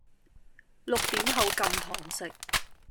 六點後禁堂食